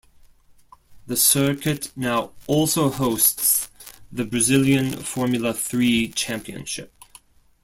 The circuit now also hosts the Brazilian Formula Three Championship.